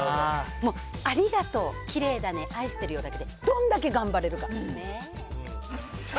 もうありがとう、きれいだね、愛してるよだけで、どんだけ頑張れるか。